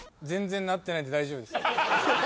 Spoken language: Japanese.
全然なってないんで大丈夫です。